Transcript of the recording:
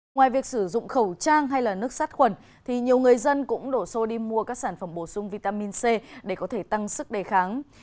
ngoài việc sử dụng khẩu trang hay nước sát khuẩn nhiều người dân cũng đổ xô đi mua các sản phẩm bổ sung vitamin c để có thể tăng sức đề kháng